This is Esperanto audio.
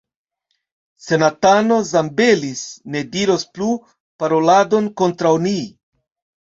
Senatano Zambelis ne diros plu paroladon kontraŭ ni.